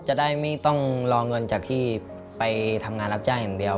จะได้ไม่ต้องรอเงินจากที่ไปทำงานรับจ้างอย่างเดียว